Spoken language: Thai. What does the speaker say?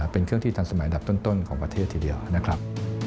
เป็นเครื่องที่ทันสมัยอันดับต้นของประเทศทีเดียวนะครับ